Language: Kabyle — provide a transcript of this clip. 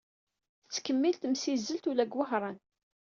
Tettkemmil temsizzelt ula deg Wehran.